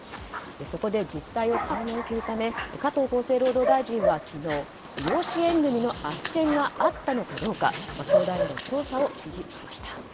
そこで、実態を解明するため加藤厚生労働大臣は昨日養子縁組のあっせんがあったのかどうか教団への調査を指示しました。